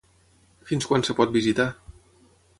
Fins quan es pot visitar?